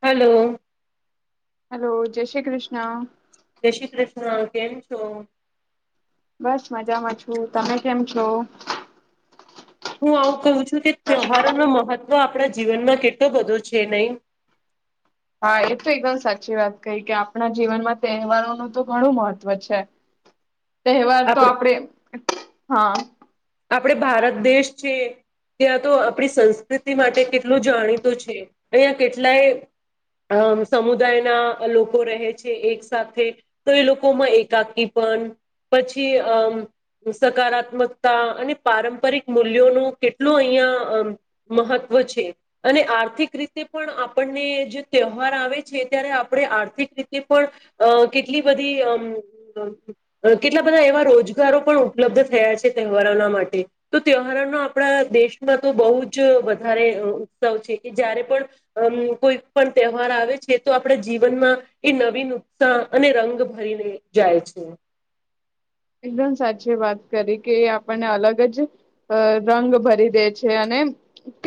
Hello. Hello જય શ્રી કૃષ્ણ. જય શ્રી કૃષ્ણ કેમ છો બસ મજામાં છું. તમે કેમ છો? હું આવું કહું છું કે તહેવારો નો મહત્વ આપણા જીવનમાં કેટલો બધો છે નહી? હા એ તો એકદમ સાચી વાત કહી, કે આપણા જીવનમાં તહેવારોનું તો ઘણું મહત્વ છે. તહેવાર તો આપણે આપડે હા. આપણે ભારત દેશ છે ત્યાં તો આપણી સંસ્કૃતિ માટે કેટલું જાણીતો છે. અહીયાં કેટલાય અમ સમુદાયના લોકો રહે છે એક સાથે, તો એ લોકોમાં એકાંકી પણ, પછી અમ સકારાત્મક તા અને પારંપરિક મૂલ્યોનું કેટલું અહીયાં અહ મહત્વ છે, અને આર્થિક રીતે પણ આપણને જે તહેવાર આવે છે ત્યારે આપણે આર્થિક રીતે પણ અહ કેટલી બધી અમ અહ કેટલા બધા એવા રોજગારો પણ ઉપલબ્ધ થયા છે. કે તહેવારોના માટે. તો તહેવારોનો આપણા દેશમાં તો બહુ જ વધારે ઉત્સવ છે, કે જયારે પણ અમ કોઈ પણ તહેવાર આવે છે, તો આપણે જીવનમાં એ નવીન ઉત્સાહ અને રંગ ભરીને જાય છે. એકદમ સાચી વાત કરી કે આપણને અલગ જ રંગ અહ ભરી દે છે, અને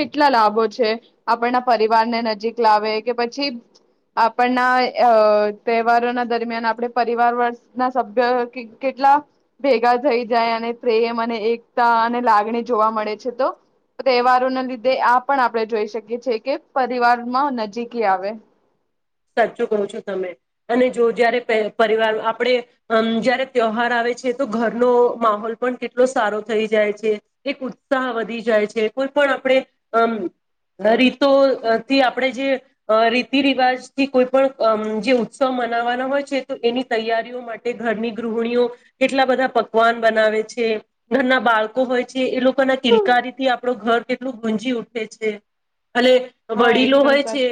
કેટલા લાભો છે. આપણના પરિવારને નજીક લાવે કે પછી આપણના અહ તહેવારોના દરમિયાન આપણે પરિવાર વર ના સભ્ય કે કેટલા ભેગા થઈ જાય અને પ્રેમ અને એકતા અને લાગણી જોવા મળે છે તો, તહેવારોના લીધે આ પણ આપણે જોઈ શકીએ છીએ કે પરિવારમાં નજીકી આવે. સાચું કહો છો તમે. અને જો જયારે પહે પરિવાર આપણે અમ જયારે તહેવાર આવે છે તો ઘરનો માહોલ પણ કેટલો સારો થઈ જાય છે, એક ઉત્સાહ વધી જાય છે, કોઈ પણ આપણે અમ રીતો અહ થી આપણે જે અહ રીતિ રિવાજ થી કોઈ પણ અમ જે ઉત્સવ મનાવવાના હોય છે તો એની તૈયારીઓ માટે ઘરની ગૃહિણીઓ કેટલા બધા પકવાન બનાવે છે, ઘરના બાળકો હોય છે એ લોકોના તિલકારીથી આપણો ઘર કેટલું ગુંજી ઉઠે છે. અલે હા વડીલો એકદમ હોય સાચ છે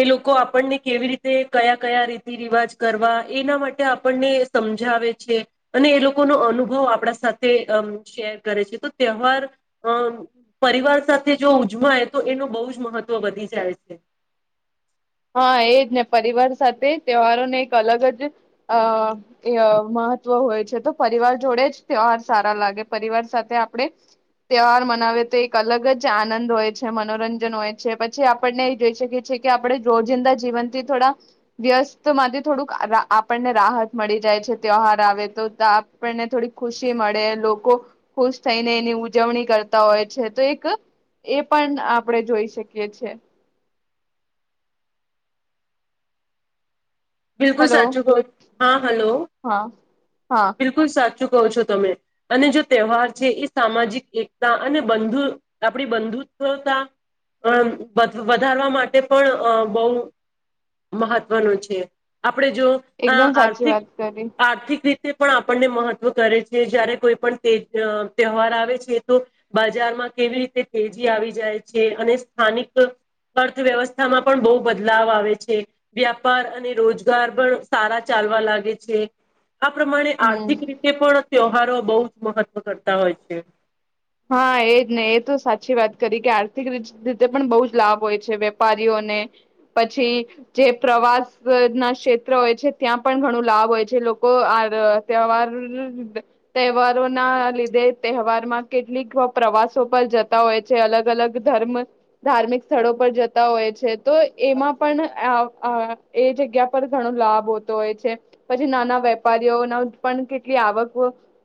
એ લોકો આપ પણને કેવી રીતે કયા-કયા રીતિ રિવાજ કરવા એના માટે આપણને એ સમજાવે છે, અને એ લોકોનો અનુભવ આપણા સાથે અમ શેર કરે છે તો તહેવાર અહ પરિવાર સાથે જો ઉજવાય તો એનું બહુ જ મહત્ત્વ વધી જાય છે. હા એ જ ને પરિવાર સાથે તહેવારોને એક અલગ જ અહ ય મહત્વ હોય છે, તો પરિવાર જોડે જ તહેવાર સારા લાગે. પરિવાર સાથે આપણે તહેવાર મનાવે તો એક અલગ જ આનંદ હોય છે, મનોરંજન હોય છે, પછી આપણને જોઈ શકીએ છીએ કે આપણે રોજિંદા જીવનથી થોડા વ્યસ્ત માંથી થોડુંક આપણને રાહત મળી જાય છે, તહેવાાર આવે તો આપણને થોડી ખુશી મળે લોકો ખુશ થઈને એની ઉજવણી કરતા હોય છે, તો એક એ પણ આપણે જોઈ શકીએ છેએ બિલકુલ હેલો સાચુંલ હા હલો હા હા બિલકુલ સાચું કહો છો તમે અને જો તહેવાર છે એ સામાજિક એકતા અને બંધુ આપણી બંધુત્વતા વધારવા માટે પણ બહુ મહત્વનો છે, આપણે જો એકદમ સાચી આર્થિક વાત કરી આર્થિક રીતે પણ આપણને મહત્વ કરે છે જયારે કોઈ પણ તે તહેવાર આવે છે, તો બજારમાં કેવી રીતે તેજી આવી જાય છે અને સ્થાનિક અર્થવ્યવસ્થામાં પણ બહુ બદલાવ આવે છે, વ્યાપાર અને રોજગાર પણ સારા ચાલવા લાગે છે, આ પ્રમાણે હમ આર્થિક રીતે પણ ત્યહારો બહુ જ મહત્વ કરતા હોય છે, હા એજ ને એ તો સાચી વાત કરી કે આર્થિક રીતે પણ બહુ જ લાભ હોય છે વેપારીઓને પછી જે પ્રવાસ ના ક્ષેત્ર હોય છે ત્યાં પણ ઘણું લાભ હોય છે લોકો આ તહેવાર તહેવારોના લીધે તહેવારમાં કેટલીક પ્રવાસો પર જતા હોય છે અલગ અલગ ધર્મ ધાર્મિક સ્થળો પર જતા હોય છે, તો એમાં પણ એ જગ્યા પર ઘણો લાભ હોતો હોય છે પછી નાના વેપારીઓના પણ કેટલી આવક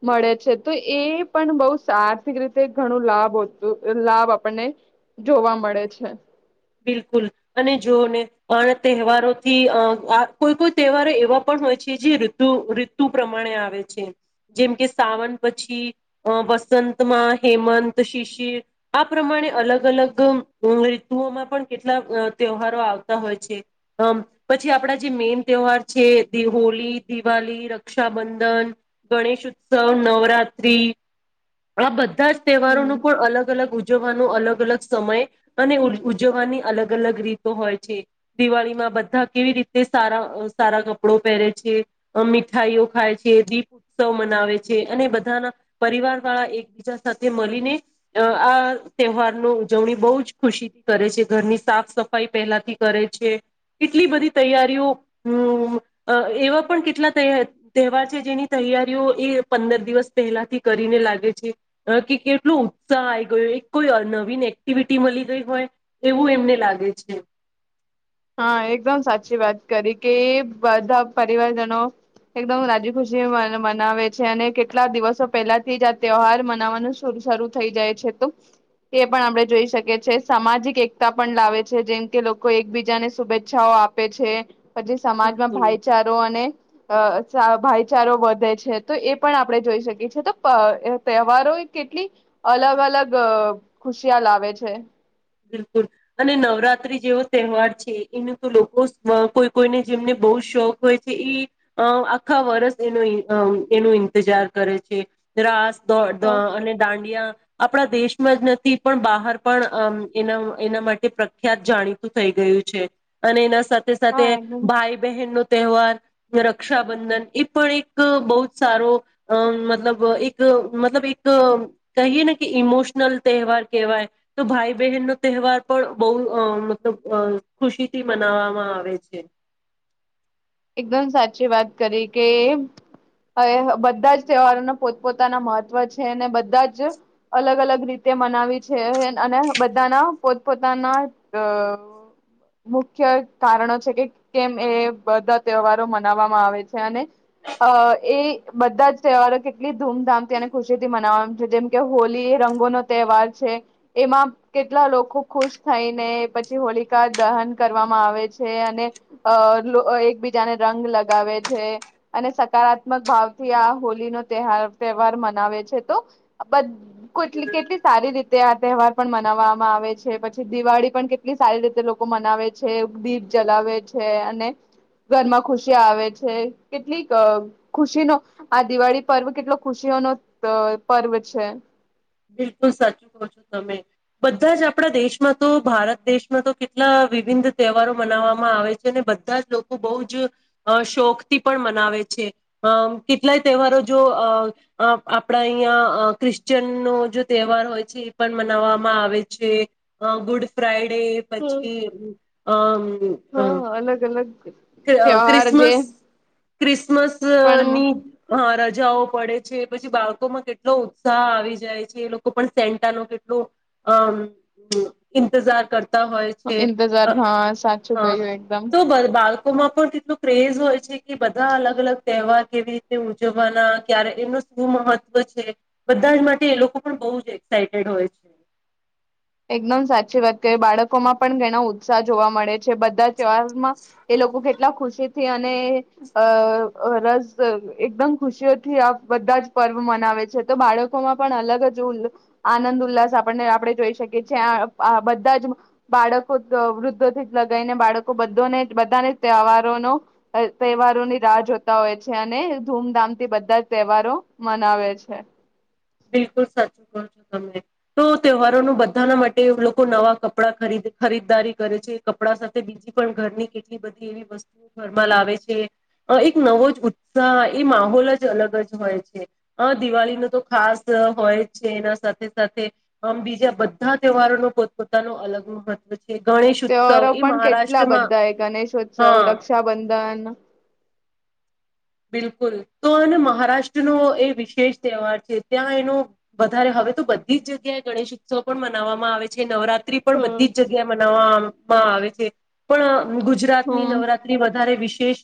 મળે છે તો એ પણ બહુ સાર રીતે ઘણું લાભું લાભ આપણને જોવા મળે છે, બિલકુલ અને જોઓ ને તહેવારોથી અ આ કોઈ કોઈ તહેવારો એવા પણ હોય છે, જે ઋતુ ઋતુ પ્રમાણે આવે છે જેમ કે સાવન પછી અ વસંતમાં હેમંત શિશિર આ પ્રમાણે અલગ અલગ ઋતુઓમાં પણ કેટલા તહેવારો આવતા હોય છે, હમ પછી આપડા જે મેન તહેવાર છે હોળ દિવાળી રક્ષાબંધન ગણેશ ઉત્સવ નવરાત્રી આ બધા બધા જ તહેવારોનો હમ પણ અલગ અલગ ઉજવ ન અલગ અલગ સમય અને ઉજવવાની અલગ અલગ રીતો હોય છે, દિવાળીમાં બધા કેવી રીતે સારા સારા કપડો પહેરે છે મીઠાઈઓ ખાય છે દીપ ઉત્સવ મનાવે છે, અને બધાના પરિવાર વાળા એકબીજા સાથે મળીને આ તહેવારની ઉજવણી બહુ જ ખુશી કરે છે ઘરની સાફ સફાઈ પહેલાથી કરે છે કેટલી બધી તૈયારીઓ હમ એવા પણ કેટલા તહેવાર છે, જેની તૈયારીઓ એ પંદર દિવસ પહેલાથી કરીને લાગે છે, કે કેટલો ઉત્સાહ આવી ગયો એક કોઈ નવીન એક્ટિવિટી મળી ગઈ હોય એવું એમને લાગે છે, હા એકદમ સાચી વાત કરી કે બધા પરિવારજનો એકદમ રાજી ખુશી મનાવે છે, અને કેટલા દિવસો પહેલાથી જ આ તહેવાર મનાવવાનું શરૂ થઈ જાય છે, તો એ પણ આપડણે જોઈ શકીએ છીએ સામાજિક એકતા પણ લાવે છે જેમ કે લોકો એકબીજા બીજાને શુભેચ્છાઓ આપે છે, પછી સમાજમાં બિલકુલ ભાઈચારો અને અ ભાઈચારો વધે છે તો એ પણ આપણે જોઈ શકીએ છીએ, તો તહેવારો કેટલી અલગ અલગ ખુશિયા લાવે છે. બિલકુલ અને નવરાત્રી જેવો તહેવાર છે એનું તો લોકો કોઈ કોઈને જેમને બહુ શોખ હોય છે, એ આખા વર્ષ એનો એનો ઈંતજાર કરે છે રાસ અને દાંડિયા આપણા દેશમાં જ નથી પણ બહાર પણ અમ એના એના માટે પ્રખ્યાત જાણીતું થઈ ગયું છે, અને એના સાથે સાથે હા એકદમ ભાઈ બહેન ન તહેવાર રક્ષાબંધન એ પણ એક બહ જ સારો અ મતલબ એક મતલબ એક કહીએ ને કે ઇમોશનલ તહેવાર કેહેવાય તો ભાઈ બહેન નો તહેવાર પણ બહ મતલબ ખુશીથી મનાવામાં આવે છે, એકદમ સાચી વાત કરી કે હવે બધા જ તહેવારોના પોતપોતાના મહત્વ છે અને બધા જ અલગ અલગ રીતે મનાવી છે અને બધાના પોતપોતાના મુખ્ય કારણો છે કે કેમ એ તવારો મનાવામાં આવે છે, અને એ બધા જ તહેવારો કેટલી ધૂમધામથી અને ખુશી થી મનાવામાં છે જેમ કે હોલી એ રંગોનોો તહેવાર છે, એમાં કેટલા લોકો ખુશ થઈને પછી હોલિકા દહન કરવામાં આવે છે, અને એક જને રંગ લગાવે છે અને સકારાત્મક ભાવથી આ હોલી નો ત તહેવાર મનાવે છે, તો બ ટલી કેટલી સારી રીતે આ તહેવાર પણ મનાવવામાં આવે છે, પછી દિવાળી પણ કેટલી સારી રીતે લોકો મનાવે છે દીપ જલાવે છે, અને ઘરમાં ખુશી આવે છે કેટલીક ખુશીનો આ દિવાળી પર્વ કેટલો ખુશીઓનો પર્વ છે, બિલકુલ સાચું કહો છો તમે બધા જ આપણા દેશમાં તો ભારત દેશમાં તો કેટલા વિવિન તહેવારો મનાવવામાં આવે છે અને બધા જ લોકો બહ જ શોખ થી પણ મનાવે છે, અ કેટલાય તહેવારો જો આપણા અહીંયા ક્રિશ્ચિયન નો તહેવાર હોય છે એ પણ મનાવામાં આવે છે, ગુડ ફ્રાઈડે તે હમ પછી [unintelligible] હા અલગ અલગ ત્યોહાર જે ક્રિસમસ ક્રિસ્ ક્રિમસ પણ ની હા રાજ જોઉ પડે છે પછી બાળકોમાં કેટલો ઉત્સાહ આવી જાય છે, એ લોકો પણ સેન્ટાનો કેટલો અમ ઇંતજાર કર તા હોય છે, ઇંતજાર હા સાચું હ કહ્યું એકદમ તો બર બાડ લોકોમાં પણ તેટલું ક્રેઝ હોય છે, કે બધા અલગ અલગ તહેવાર કેવી રીતે ઉજવવાના ક્યારે એમનું શું મહત્વ છે. બધા જ માટે એ લોકો પણ બહુ જ એક્સાઈટેડ હોય એકદમ સાચી વાત કરી બાળકોમાં પણ ઘણો ઉત્સાહ જોવા મળે છે બધાવામાં એ લોકો કેટલા ખુશી થી અને અ રસ એકદમ ખુશીઓથી આ બધા જ પર્વ મનાવે છે, તો બાળકોમાં પણ અલગ જ આનંદ ઉલ્લાસ આપણને આપણે જોઈ શક કિએ છીએ બધા જ બાળકો વૃદ્ધોથી જ લગાવને બાળકો બને બધાને તહેવારોનો તહેવારોની રાહ જોતા હોય છે, અને ધૂમધામથી બધા જ તહેવારો મનાવે છે. બિલકુલ સાચું ક છો તમે તો તહેવારો ન બધાના માટે લોકો નવા કપડા ખરીદ ખરીદદારી કરે છે, કપડા સાથે બીજી પણ ઘરની કેટલી બધી એવી વસ્તુ ઘરમાં લાવે છે એક નવો જ ઉત્સાહ એ માહોલ જ અલગ જ હોય છે. દિવાળીનો તો ખાસ હોય છે, એના સાથે સાથે આમ બીજા બધા તહેવારો ન પોતપોતાનું અલગ મહત્વ છે ગણેશ ઉત્સવ તહેવારો એ પણ કેટલા મહારાષ્ટ્રમાં બધા ગણેશોત્સવ, હા રક્ષાબંધન બિલકુલ તો મહારાષ્ટ્રનો એ વિશેષ તહેવાર છે ત્યાં એનો વધારે હવે તો બધી જ જગ્યાએ ગણેશ ઉત્સવ પણ મનાવવામાં આવે છે. નવરા ત્રી પણ હમ બધી જ જગ્યા મનાવવાવામાં આવે છે. પણ ગુજરાતની હમ નવરાત્રી વધારે વિશ શેષ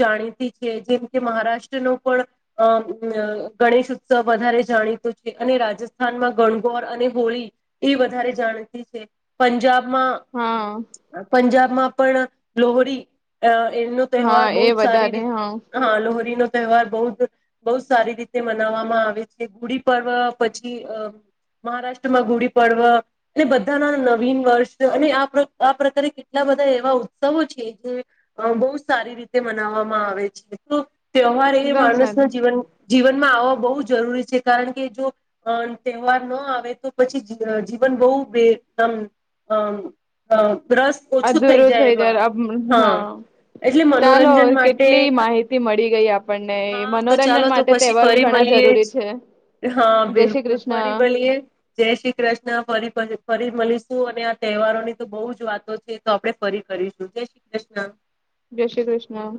જાણીતી જેમ કે મહારાષ્ટ્ર નો પણ અ ગણેશ ઉત્સવ વધારે જાણીતો છે, અને રાજસ્થાનમાં ગણગોર અને હોળી એ વધારે જાણીતી છે, પંજાબ માં હા પંજાબ માં પણ લોહરી અ એનો હા તહેવાર એ બહત સારી વધારે રીત હા માલોહરી નો તહેવાર બહુ બહુ સારી રીતે મનાવવામાં આવે છે. ગુડી પર્વ પછી મહારાષ્ટ્રમાં ગુડી પર્વ અને બધાના નવીન વર્ષ અને આ આ પ્રકારે કેટલા બધા એવા ઉત્સવો છે જે બહ સારી રીતે મનાવવામાં આવે તો ત્યવવાર એ એકદમ માણસ સારું ન જીવન જીવન આવવા બહુ જરૂરી છે કારણ કે જો તહેવાર ન આવે તો પછી જીવન બહુમ ર્રસ ઓછું થઈ જાય એમાં હા એટલે મનોરંજન માટે થી મળી ગઈ આપ હા તો ચાલો તો પછી ફરી ઘણા મળીએ જરૂરી છે હા જય શ્રી બિલકુલ ફરી કૃષ્ણ મળીએ જય શ્રી કૃષ્ણ ફરી ફરી મલીશ. અને આ તહેવારો ની તો બહુ જ વાતો છે, તો આપણે ફરી કરીશું. જય શ્રી કૃષ્ણ. જય શ્રી કૃષ્ણ